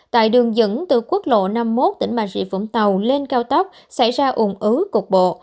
tại đường dẫn từ quốc lộ năm mươi một tỉnh bà rịa vũng tàu lên cao tốc xảy ra ủng ứ cục bộ